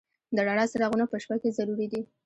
د رڼا څراغونه په شپه کې ضروري دي.